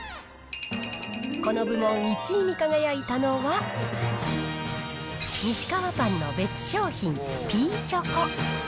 この部門１位に輝いたのは、ニシカワパンの別商品、ピーチョコ。